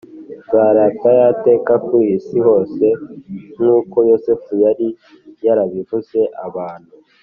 inzara yateye ku isi hose nk uko Yozefu yari yarabivuze Abantu